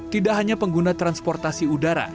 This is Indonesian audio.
tidak hanya pengguna transportasi udara